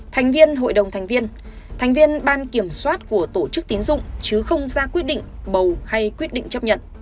thành viên hội đồng thành viên thành viên ban kiểm soát của tổ chức tín dụng chứ không ra quyết định bầu hay quyết định chấp nhận